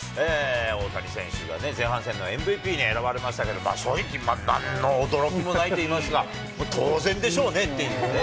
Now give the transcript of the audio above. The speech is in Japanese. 大谷選手がね、前半戦のＭＶＰに選ばれましたけど、正直、なんの驚きもないといいますか、当然でしょうねっていうことでね。